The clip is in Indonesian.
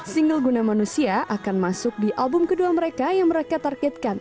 single guna manusia akan masuk di album kedua mereka yang mereka targetkan